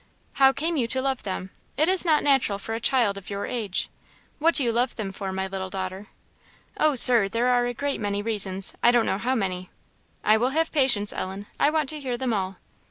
"How came you to love them? It is not natural for a child of your age. What do you love them for, my little daughter?" "Oh, Sir, there are a great many reasons I don't know how many." "I will have patience, Ellen; I want to hear them all."